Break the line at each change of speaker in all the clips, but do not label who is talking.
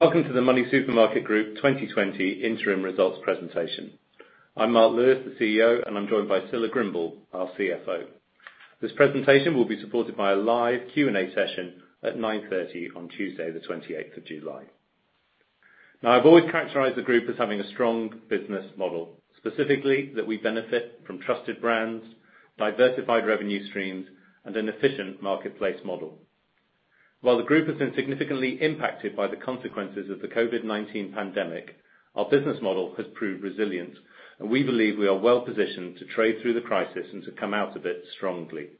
Welcome to the MoneySuperMarket Group 2020 interim results presentation. I'm Mark Lewis, the CEO, and I'm joined by Scilla Grimble, our CFO. This presentation will be supported by a live Q&A session at 9:30 A.M. on Tuesday, the July 28th. Now, I've always characterized the group as having a strong business model, specifically that we benefit from trusted brands, diversified revenue streams, and an efficient marketplace model. While the group has been significantly impacted by the consequences of the COVID-19 pandemic, our business model has proved resilient, and we believe we are well-positioned to trade through the crisis and to come out of it strongly.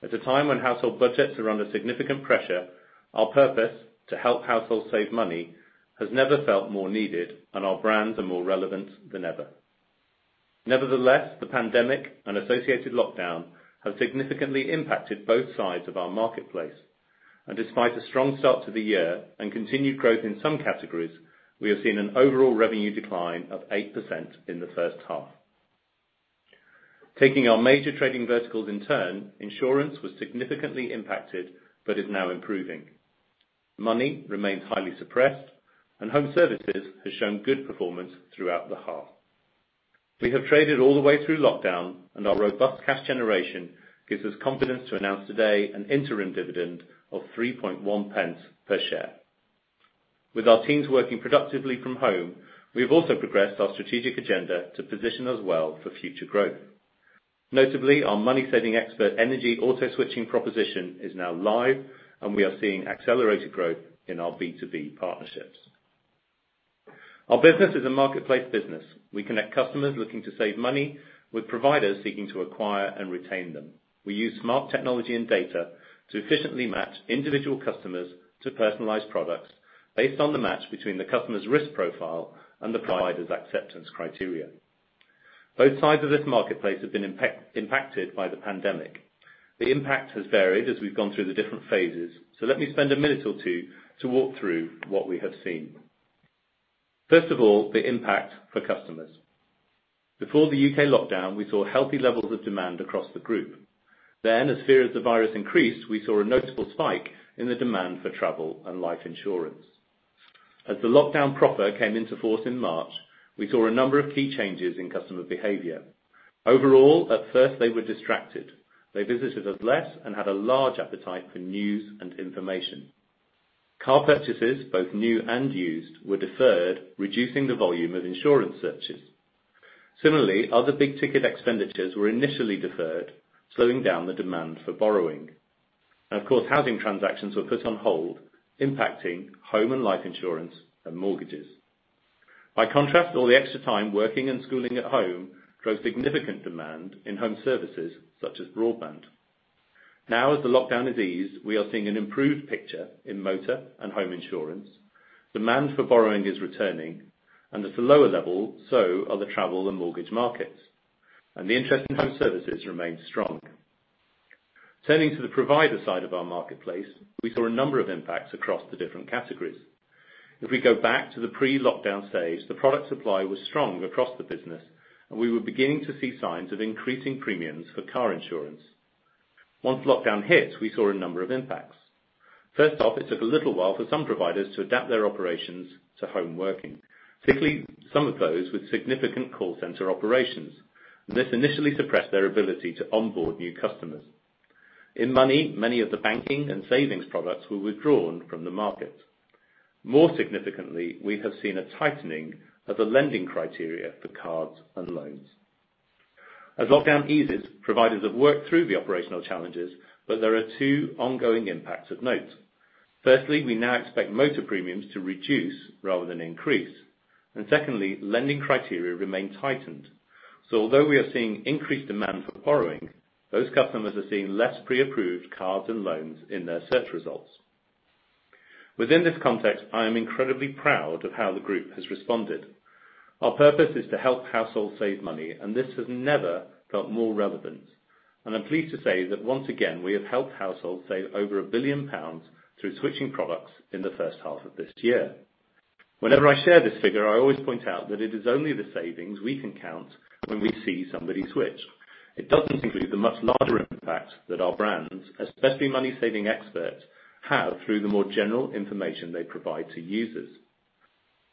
At a time when household budgets are under significant pressure, our purpose, to help households save money, has never felt more needed, and our brands are more relevant than ever. Nevertheless, the pandemic and associated lockdown have significantly impacted both sides of our marketplace, and despite a strong start to the year and continued growth in some categories, we have seen an overall revenue decline of 8% in the first half. Taking our major trading verticals in turn, insurance was significantly impacted but is now improving, money remains highly suppressed, and home services has shown good performance throughout the half. We have traded all the way through lockdown, and our robust cash generation gives us confidence to announce today an interim dividend of 0.031 per share. With our teams working productively from home, we've also progressed our strategic agenda to position us well for future growth. Notably, our MoneySavingExpert energy auto-switching proposition is now live, and we are seeing accelerated growth in our B2B partnerships. Our business is a marketplace business. We connect customers looking to save money with providers seeking to acquire and retain them. We use smart technology and data to efficiently match individual customers to personalized products based on the match between the customer's risk profile and the provider's acceptance criteria. Both sides of this marketplace have been impacted by the pandemic. The impact has varied as we've gone through the different phases. Let me spend a minute or two to walk through what we have seen. First of all, the impact for customers. Before the U.K. lockdown, we saw healthy levels of demand across the group. As fear of the virus increased, we saw a notable spike in the demand for travel and life insurance. As the lockdown proper came into force in March, we saw a number of key changes in customer behavior. Overall, at first they were distracted. They visited us less and had a large appetite for news and information. Car purchases, both new and used, were deferred, reducing the volume of insurance searches. Similarly, other big-ticket expenditures were initially deferred, slowing down the demand for borrowing. Of course, housing transactions were put on hold, impacting home and life insurance and mortgages. By contrast, all the extra time working and schooling at home drove significant demand in home services such as broadband. Now, as the lockdown has eased, we are seeing an improved picture in motor and home insurance. Demand for borrowing is returning, and at a slower level, so are the travel and mortgage markets. The interest in home services remains strong. Turning to the provider side of our marketplace, we saw a number of impacts across the different categories. If we go back to the pre-lockdown stage, the product supply was strong across the business, and we were beginning to see signs of increasing premiums for car insurance. Once lockdown hit, we saw a number of impacts. First off, it took a little while for some providers to adapt their operations to home working, particularly some of those with significant call center operations. This initially suppressed their ability to onboard new customers. In Money, many of the banking and savings products were withdrawn from the market. More significantly, we have seen a tightening of the lending criteria for cards and loans. As lockdown eases, providers have worked through the operational challenges, but there are two ongoing impacts of note. Firstly, we now expect motor premiums to reduce rather than increase. Secondly, lending criteria remain tightened. Although we are seeing increased demand for borrowing, those customers are seeing less pre-approved cards and loans in their search results. Within this context, I am incredibly proud of how the group has responded. Our purpose is to help households save money, this has never felt more relevant. I'm pleased to say that once again, we have helped households save over 1 billion pounds through switching products in the first half of this year. Whenever I share this figure, I always point out that it is only the savings we can count when we see somebody switch. It doesn't include the much larger impact that our brands, especially MoneySavingExpert, have through the more general information they provide to users.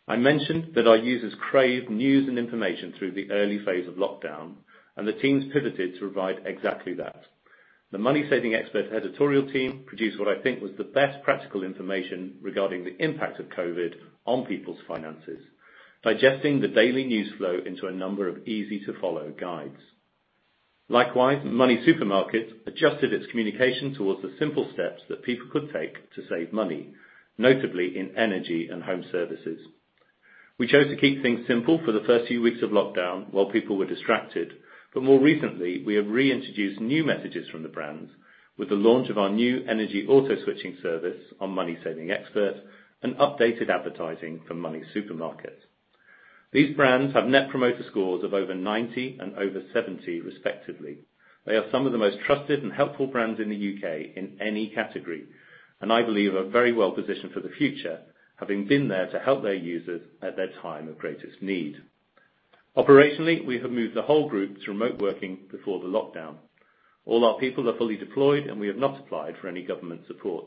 I mentioned that our users craved news and information through the early phase of lockdown, the teams pivoted to provide exactly that. The MoneySavingExpert editorial team produced what I think was the best practical information regarding the impact of COVID on people's finances, digesting the daily news flow into a number of easy-to-follow guides. Likewise, MoneySuperMarket adjusted its communication towards the simple steps that people could take to save money, notably in energy and home services. We chose to keep things simple for the first few weeks of lockdown while people were distracted. More recently, we have reintroduced new messages from the brands with the launch of our new energy auto-switching service on MoneySavingExpert and updated advertising for MoneySuperMarket. These brands have Net Promoter Scores of over 90 and over 70 respectively. They are some of the most trusted and helpful brands in the U.K. in any category, and I believe are very well positioned for the future, having been there to help their users at their time of greatest need. Operationally, we have moved the whole group to remote working before the lockdown. All our people are fully deployed, and we have not applied for any government support.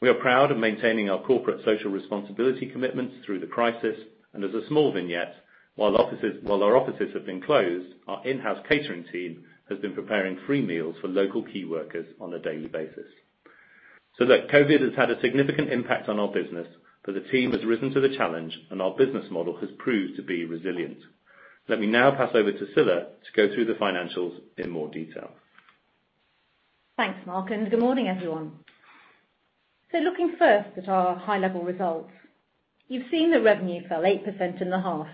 We are proud of maintaining our corporate social responsibility commitments through the crisis, and as a small vignette, while our offices have been closed, our in-house catering team has been preparing free meals for local key workers on a daily basis. Look, COVID has had a significant impact on our business, but the team has risen to the challenge, and our business model has proved to be resilient. Let me now pass over to Scilla to go through the financials in more detail.
Thanks, Mark. Good morning, everyone. Looking first at our high-level results. You've seen that revenue fell 8% in the half,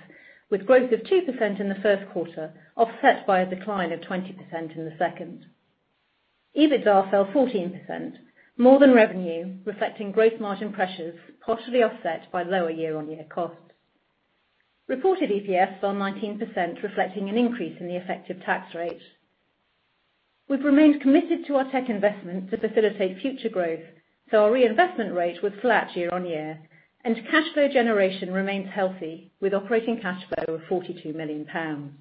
with growth of 2% in the first quarter, offset by a decline of 20% in the second. EBITDA fell 14%, more than revenue, reflecting gross margin pressures partially offset by lower year-on-year costs. Reported EPS fell 19%, reflecting an increase in the effective tax rate. We've remained committed to our tech investment to facilitate future growth. Our reinvestment rate was flat year-on-year. Cash flow generation remains healthy, with operating cash flow of 42 million pounds.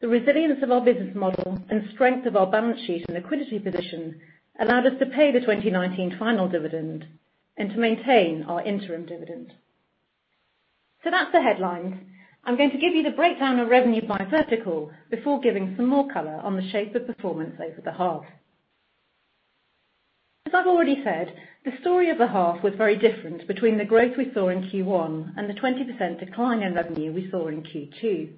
The resilience of our business model and strength of our balance sheet and liquidity position allowed us to pay the 2019 final dividend and to maintain our interim dividend. That's the headlines. I'm going to give you the breakdown of revenue by vertical before giving some more color on the shape of performance over the half. As I've already said, the story of the half was very different between the growth we saw in Q1 and the 20% decline in revenue we saw in Q2.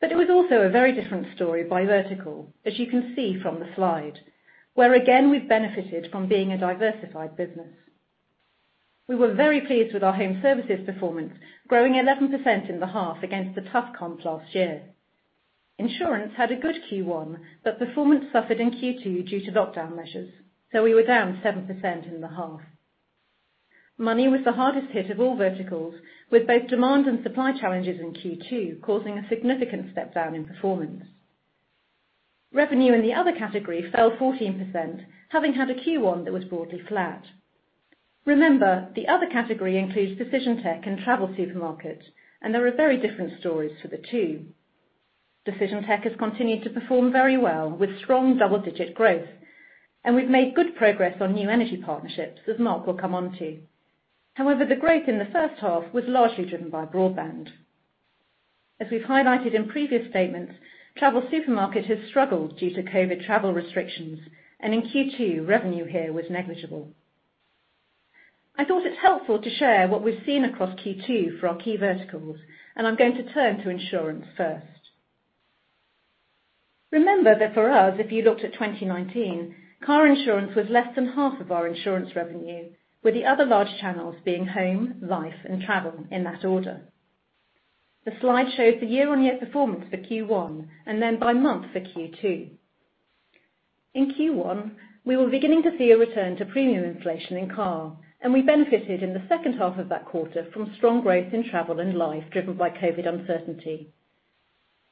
It was also a very different story by vertical, as you can see from the slide, where again, we've benefited from being a diversified business. We were very pleased with our Home Services performance, growing 11% in the half against the tough comps last year. Insurance had a good Q1, but performance suffered in Q2 due to lockdown measures, so we were down 7% in the half. Money was the hardest hit of all verticals, with both demand and supply challenges in Q2 causing a significant step down in performance. Revenue in the Other category fell 14%, having had a Q1 that was broadly flat. Remember, the Other category includes Decision Tech and TravelSupermarket, and there are very different stories for the two. Decision Tech has continued to perform very well with strong double-digit growth, and we've made good progress on new energy partnerships, as Mark will come onto. However, the growth in the first half was largely driven by broadband. As we've highlighted in previous statements, TravelSupermarket has struggled due to COVID travel restrictions, and in Q2, revenue here was negligible. I thought it's helpful to share what we've seen across Q2 for our key verticals, and I'm going to turn to Insurance first. Remember that for us, if you looked at 2019, car insurance was less than half of our insurance revenue, with the other large channels being home, life, and travel in that order. The slide shows the year-on-year performance for Q1, then by month for Q2. In Q1, we were beginning to see a return to premium inflation in car, we benefited in the second half of that quarter from strong growth in travel and life driven by COVID uncertainty.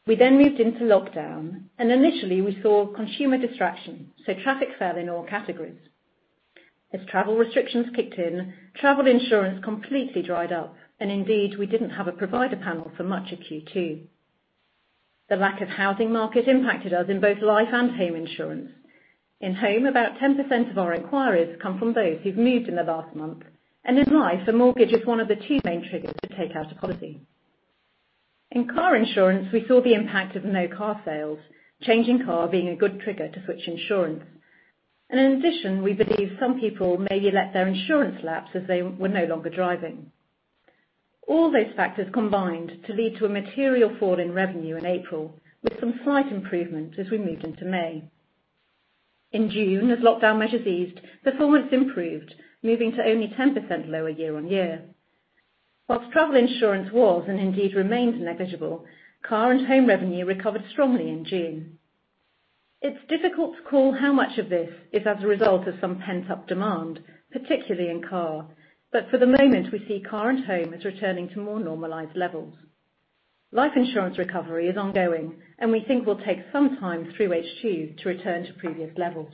We moved into lockdown, initially we saw consumer distraction, traffic fell in all categories. As travel restrictions kicked in, travel insurance completely dried up, indeed, we didn't have a provider panel for much of Q2. The lack of housing market impacted us in both life and home insurance. In home, about 10% of our inquiries come from those who've moved in the last month. In life, a mortgage is one of the two main triggers to take out a policy. In car insurance, we saw the impact of no car sales, changing car being a good trigger to switch insurance. In addition, we believe some people maybe let their insurance lapse as they were no longer driving. All those factors combined to lead to a material fall in revenue in April, with some slight improvement as we moved into May. In June, as lockdown measures eased, performance improved, moving to only 10% lower year-on-year. Whilst travel insurance was, and indeed remains negligible, car and home revenue recovered strongly in June. It's difficult to call how much of this is as a result of some pent-up demand, particularly in car, but for the moment we see car and home as returning to more normalized levels. Life insurance recovery is ongoing, and we think will take some time through H2 to return to previous levels.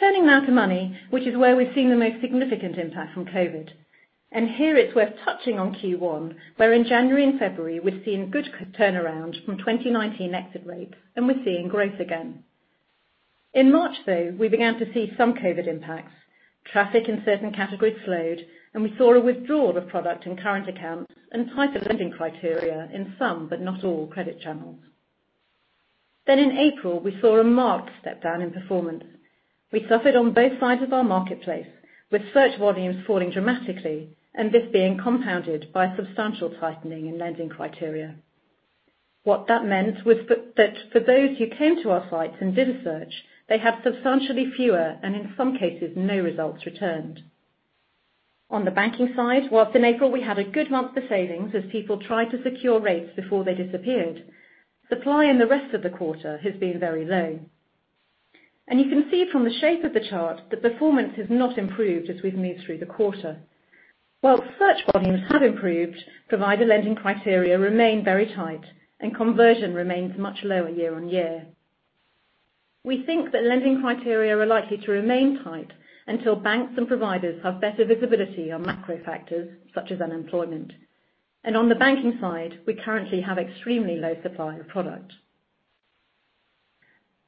Turning now to Money, which is where we've seen the most significant impact from COVID. Here it's worth touching on Q1, where in January and February, we've seen good turnaround from 2019 exit rates, and we're seeing growth again. In March, though, we began to see some COVID impacts. Traffic in certain categories slowed, and we saw a withdrawal of product in current accounts and tighter lending criteria in some, but not all credit channels. In April, we saw a marked step down in performance. We suffered on both sides of our marketplace, with search volumes falling dramatically and this being compounded by substantial tightening in lending criteria. What that meant was that for those who came to our sites and did a search, they had substantially fewer, and in some cases, no results returned. On the banking side, whilst in April we had a good month for savings as people tried to secure rates before they disappeared, supply in the rest of the quarter has been very low. You can see from the shape of the chart that performance has not improved as we've moved through the quarter. Whilst search volumes have improved, provider lending criteria remain very tight, and conversion remains much lower year-on-year. We think that lending criteria are likely to remain tight until banks and providers have better visibility on macro factors such as unemployment. On the banking side, we currently have extremely low supplier product.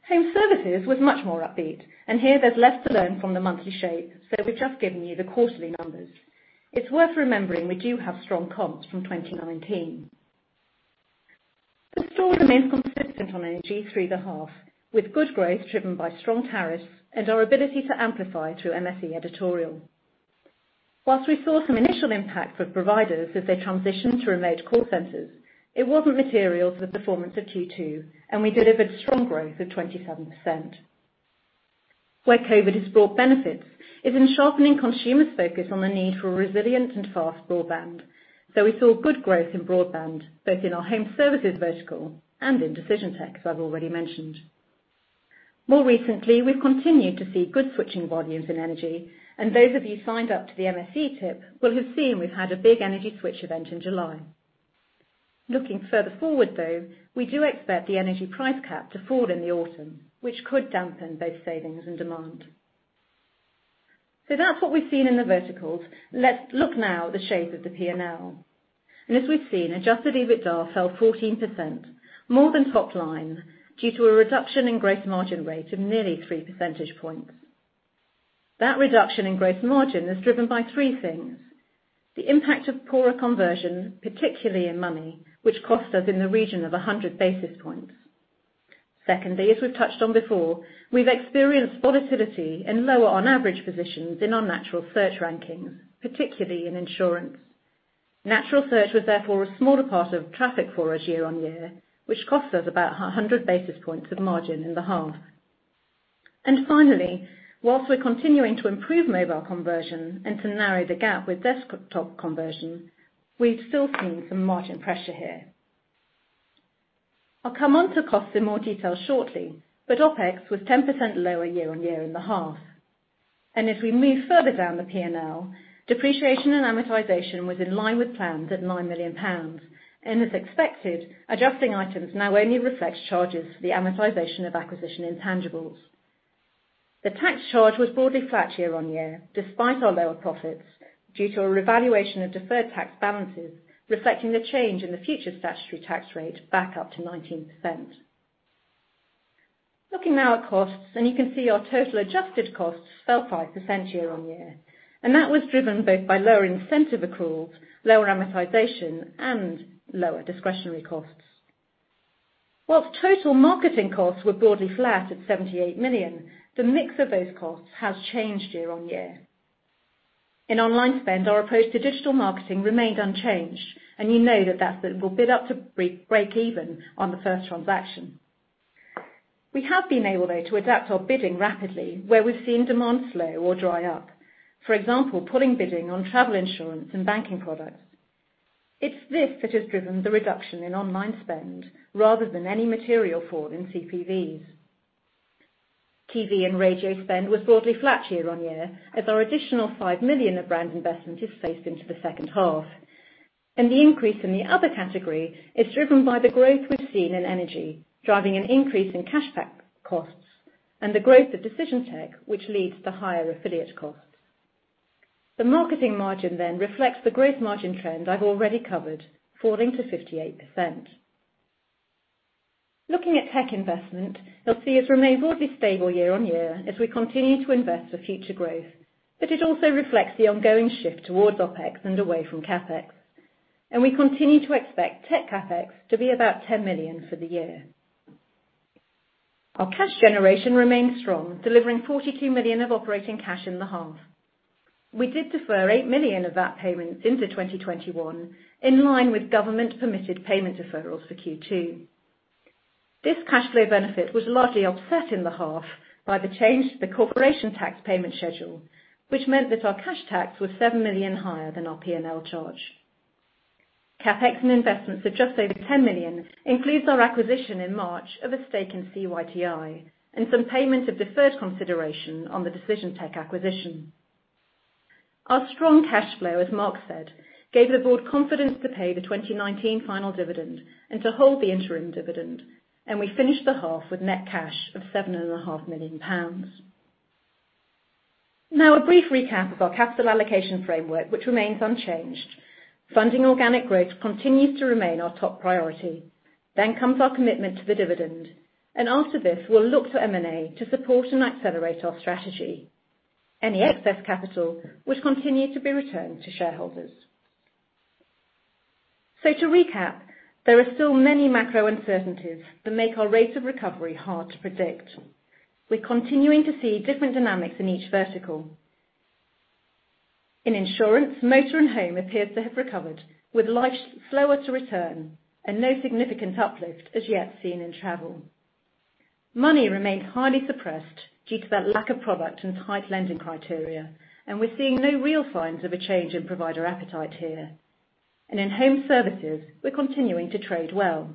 Home services was much more upbeat, and here there's less to learn from the monthly shape, so we've just given you the quarterly numbers. It's worth remembering we do have strong comps from 2019. The store remained consistent on energy through the half, with good growth driven by strong tariffs and our ability to amplify through MSE editorial. While we saw some initial impact for providers as they transitioned to remote call centers, it wasn't material to the performance of Q2. We delivered strong growth of 27%. Where COVID has brought benefits is in sharpening consumers' focus on the need for resilient and fast broadband. We saw good growth in broadband, both in our home services vertical and in Decision Tech, as I've already mentioned. More recently, we've continued to see good switching volumes and energy. Those of you signed up to the MSE tip will have seen we've had a big energy switch event in July. Looking further forward, though, we do expect the energy price cap to fall in the autumn, which could dampen both savings and demand. That's what we've seen in the verticals. Let's look now at the shape of the P&L. As we've seen, adjusted EBITDA fell 14%, more than top line, due to a reduction in gross margin rate of nearly 3 percentage points. That reduction in gross margin is driven by three things. The impact of poorer conversion, particularly in Money, which cost us in the region of 100 basis points. Secondly, as we've touched on before, we've experienced volatility and lower on-average positions in our natural search rankings, particularly in Insurance. Natural search was therefore a smaller part of traffic for us year-on-year, which cost us about 100 basis points of margin in the half. Finally, whilst we're continuing to improve mobile conversion and to narrow the gap with desktop conversion, we've still seen some margin pressure here. I'll come on to costs in more detail shortly. OpEx was 10% lower year-on-year in the half. As we move further down the P&L, depreciation and amortization was in line with plans at 9 million pounds. As expected, adjusting items now only reflects charges for the amortization of acquisition intangibles. The tax charge was broadly flat year-on-year, despite our lower profits due to a revaluation of deferred tax balances, reflecting the change in the future statutory tax rate back up to 19%. Looking now at costs, you can see our total adjusted costs fell 5% year-on-year, and that was driven both by lower incentive accruals, lower amortization, and lower discretionary costs. Whilst total marketing costs were broadly flat at 78 million, the mix of those costs has changed year-on-year. In online spend, our approach to digital marketing remained unchanged, and you know that that will bid up to break even on the first transaction. We have been able, though, to adapt our bidding rapidly where we've seen demand slow or dry up. For example, pulling bidding on travel insurance and banking products. It's this that has driven the reduction in online spend rather than any material fall in CPVs. TV and radio spend was broadly flat year-on-year as our additional 5 million of brand investment is phased into the second half. The increase in the other category is driven by the growth we've seen in energy, driving an increase in cashback costs and the growth of Decision Tech, which leads to higher affiliate costs. The marketing margin then reflects the gross margin trend I've already covered, falling to 58%. Looking at tech investment, you'll see it remains broadly stable year-over-year as we continue to invest for future growth. It also reflects the ongoing shift towards OpEx and away from CapEx. We continue to expect tech CapEx to be about 10 million for the year. Our cash generation remains strong, delivering 42 million of operating cash in the half. We did defer 8 million of VAT payment into 2021, in line with government-permitted payment deferrals for Q2. This cash flow benefit was largely offset in the half by the change to the corporation tax payment schedule, which meant that our cash tax was 7 million higher than our P&L charge. CapEx and investments of just over 10 million includes our acquisition in March of a stake in CYTI and some payment of deferred consideration on the Decision Tech acquisition. Our strong cash flow, as Mark said, gave the board confidence to pay the 2019 final dividend and to hold the interim dividend. We finished the half with net cash of 7.5 million pounds. A brief recap of our capital allocation framework, which remains unchanged. Funding organic growth continues to remain our top priority. Comes our commitment to the dividend, and after this, we'll look for M&A to support and accelerate our strategy. Any excess capital would continue to be returned to shareholders. To recap, there are still many macro uncertainties that make our rate of recovery hard to predict. We're continuing to see different dynamics in each vertical. In insurance, motor and home appears to have recovered, with life slower to return and no significant uplift as yet seen in travel. Money remained highly suppressed due to that lack of product and tight lending criteria. We're seeing no real signs of a change in provider appetite here. In home services, we're continuing to trade well.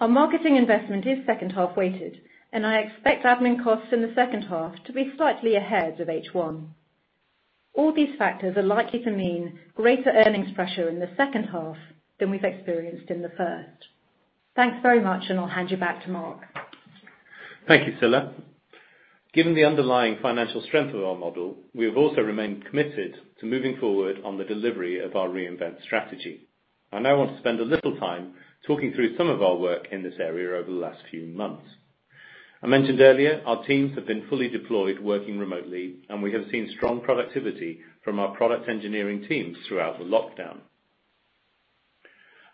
Our marketing investment is second half-weighted. I expect admin costs in the second half to be slightly ahead of H1. All these factors are likely to mean greater earnings pressure in the second half than we've experienced in the first. Thanks very much. I'll hand you back to Mark.
Thank you, Scilla. Given the underlying financial strength of our model, we have also remained committed to moving forward on the delivery of our Reinvent strategy. I now want to spend a little time talking through some of our work in this area over the last few months. I mentioned earlier, our teams have been fully deployed working remotely, and we have seen strong productivity from our product engineering teams throughout the lockdown.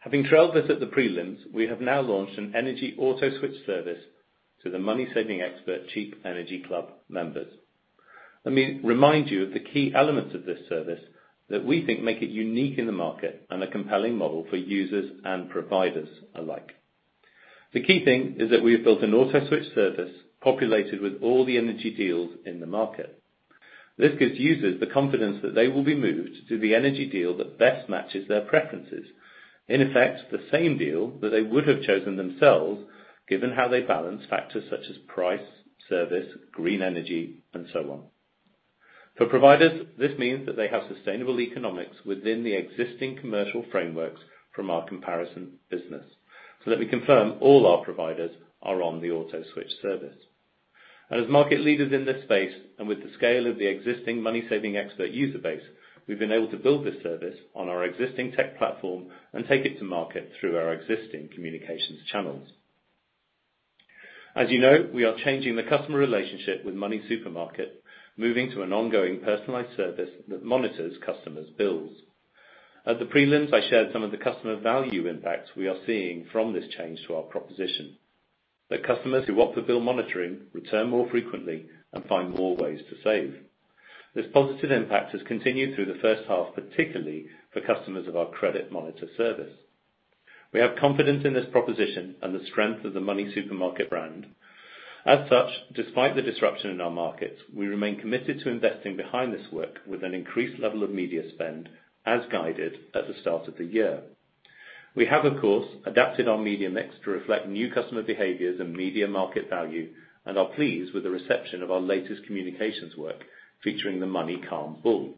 Having trailed this at the prelims, we have now launched an energy auto-switch service to the MoneySavingExpert Cheap Energy Club members. Let me remind you of the key elements of this service that we think make it unique in the market and a compelling model for users and providers alike. The key thing is that we have built an auto-switch service populated with all the energy deals in the market. This gives users the confidence that they will be moved to the energy deal that best matches their preferences. In effect, the same deal that they would have chosen themselves, given how they balance factors such as price, service, green energy, and so on. For providers, this means that they have sustainable economics within the existing commercial frameworks from our comparison business. Let me confirm all our providers are on the auto-switch service. As market leaders in this space, and with the scale of the existing MoneySavingExpert user base, we've been able to build this service on our existing tech platform and take it to market through our existing communications channels. As you know, we are changing the customer relationship with MoneySuperMarket, moving to an ongoing personalized service that monitors customers' bills. At the prelims, I shared some of the customer value impacts we are seeing from this change to our proposition. The customers who opt for bill monitoring return more frequently and find more ways to save. This positive impact has continued through the first half, particularly for customers of our Credit Monitor service. We have confidence in this proposition and the strength of the MoneySuperMarket brand. Despite the disruption in our markets, we remain committed to investing behind this work with an increased level of media spend as guided at the start of the year. We have, of course, adapted our media mix to reflect new customer behaviors and media market value and are pleased with the reception of our latest communications work featuring the Money Calm Bull.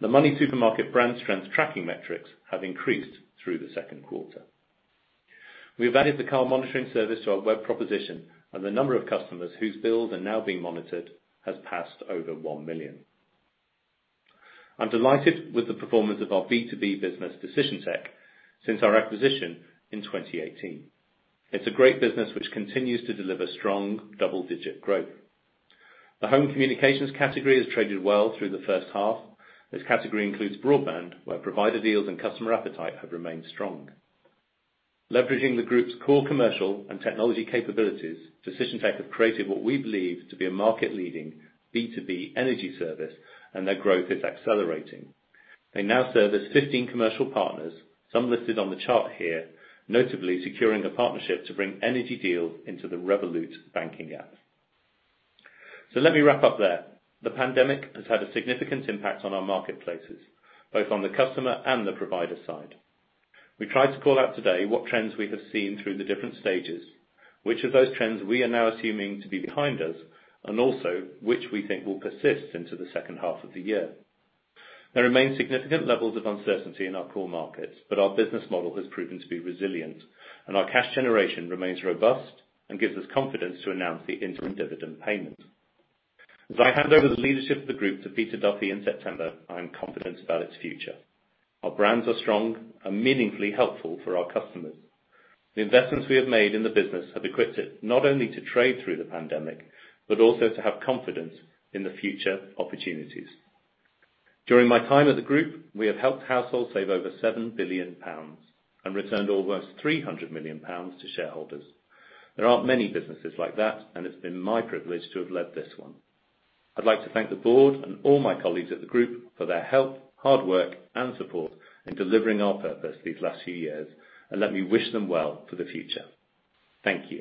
The MoneySuperMarket brand strength tracking metrics have increased through the second quarter. We have added the calm monitoring service to our web proposition, and the number of customers whose bills are now being monitored has passed over 1 million. I'm delighted with the performance of our B2B business, Decision Tech, since our acquisition in 2018. It's a great business which continues to deliver strong double-digit growth. The home communications category has traded well through the first half. This category includes broadband, where provider deals and customer appetite have remained strong. Leveraging the group's core commercial and technology capabilities, Decision Tech have created what we believe to be a market-leading B2B energy service. Their growth is accelerating. They now service 15 commercial partners, some listed on the chart here, notably securing a partnership to bring energy deals into the Revolut banking app. Let me wrap up there. The pandemic has had a significant impact on our marketplaces, both on the customer and the provider side. We tried to call out today what trends we have seen through the different stages, which of those trends we are now assuming to be behind us, and also which we think will persist into the second half of the year. There remain significant levels of uncertainty in our core markets, but our business model has proven to be resilient, and our cash generation remains robust and gives us confidence to announce the interim dividend payment. As I hand over the leadership of the group to Peter Duffy in September, I am confident about its future. Our brands are strong and meaningfully helpful for our customers. The investments we have made in the business have equipped it not only to trade through the pandemic, but also to have confidence in the future opportunities. During my time as a group, we have helped households save over 7 billion pounds and returned almost 300 million pounds to shareholders. There aren't many businesses like that, and it's been my privilege to have led this one. I'd like to thank the board and all my colleagues at the group for their help, hard work, and support in delivering our purpose these last few years, and let me wish them well for the future. Thank you.